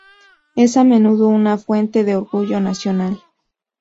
Es a menudo una fuente de orgullo nacional.